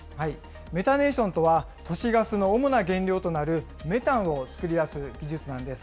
メタネーションとは、都市ガスの主な原料となるメタンを作り出す技術なんです。